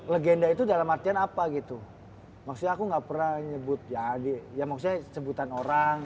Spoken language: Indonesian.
legenda itu dalam artian apa gitu maksudnya aku nggak pernah nyebut jadi ya maksudnya sebutan orang